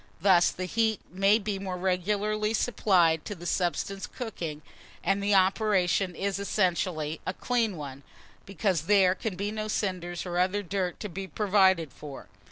Thus the heat may be more regularly supplied to the substance cooking, and the operation is essentially a clean one, because there can be no cinders or other dirt to be provided for.